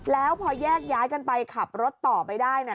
แล้วพอแยกย้ายกันไปขับรถต่อไปได้นะ